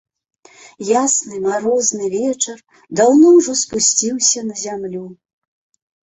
Ясны марозны вечар даўно ўжо спусціўся на зямлю.